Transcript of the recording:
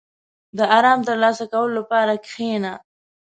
• د آرام ترلاسه کولو لپاره کښېنه.